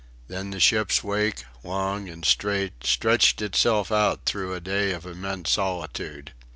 Then the ship's wake, long and straight, stretched itself out through a day of immense solitude.